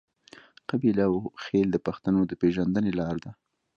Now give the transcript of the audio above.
قبیله او خیل د پښتنو د پیژندنې لار ده.